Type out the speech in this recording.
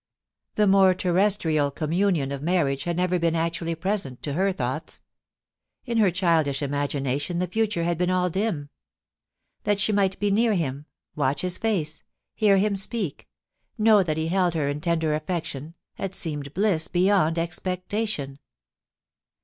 The more terrestrial communion of mar> riage had never been actually present to her thoughts. In her childish imagination the future had been all dim. That she might be near him, watch his face, hear him speak, know that he held her in tender affection, had seemed bliss beyond expectation.